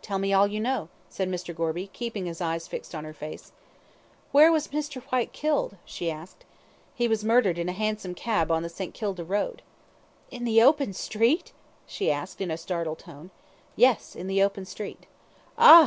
"Tell me all you know," said Mr. Gorby, keeping his eyes fixed on her face. "Where was Mr. Whyte killed?" she asked. "He was murdered in a hansom cab on the St. Kilda Road." "In the open street?" she asked in a startled tone. "Yes, in the open street." "Ah!"